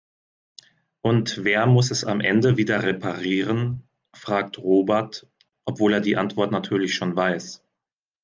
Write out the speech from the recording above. "Und wer muss es am Ende wieder reparieren?", fragt Robert, obwohl er die Antwort natürlich schon weiß.